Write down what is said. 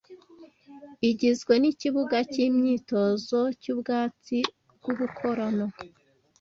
igizwe n’ikibuga cy’imyitozo cy’ubwatsi bw’ubukorano